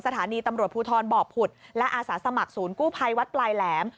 สถานีตำรวจภูทรบ่อผุดและอาสาสมัครศูนย์กู้ภัยวัดปลายแหลม